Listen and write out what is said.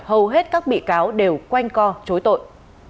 hầu hết các bị cáo đều quanh co chối tội